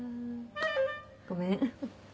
ごめん。